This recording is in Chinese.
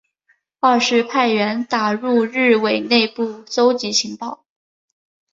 二是派员打入日伪内部搜集情报。